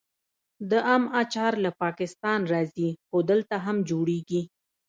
د ام اچار له پاکستان راځي خو دلته هم جوړیږي.